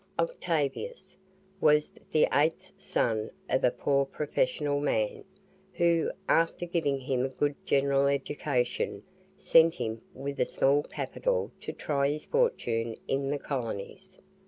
Octavius was the eighth son of a poor professional man, who, after giving him a good general education, sent him with a small capital to try his fortune in the colonies.